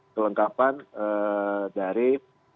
apa yang diinginkan oleh pemerintahan presiden